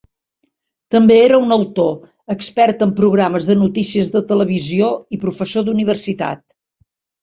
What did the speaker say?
També era un autor, expert en programes de notícies de televisió i professor d'universitat.